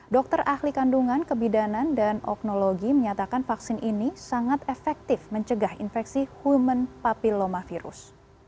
dokter ahli kandungan kebidanan dan oknologi menyatakan vaksin ini sangat efektif mencegah infeksi human papillomavirus